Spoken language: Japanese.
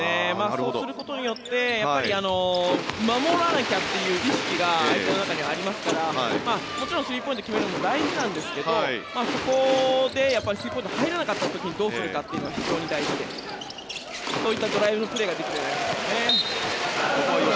そうすることによって守らなきゃという意識が相手の中にありますからもちろんスリーポイントを決めるのも大事なんですけど、そこでスリーポイント入らなかった時にどうするかというのが非常に大事でそういったドライブのプレーができるようになりますよね。